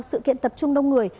sự kiện tập trung đông người